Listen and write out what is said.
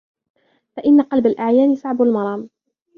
فَإِنَّ قَلْبَ الْأَعْيَانِ صَعْبُ الْمَرَامِ